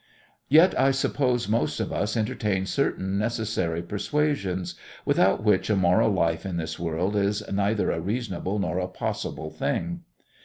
Yet I suppose most of us entertain certain necessary persuasions, without which a moral life in this world is neither a reasonable nor a possible thing.